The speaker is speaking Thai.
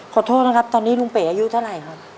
ขอโทษนะครับตอนนี้ลุงเป๋อายุเท่าไหร่ครับ